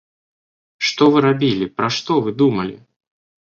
Што вы рабілі, пра што вы думалі?